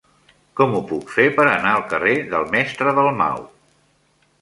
Com ho puc fer per anar al carrer del Mestre Dalmau?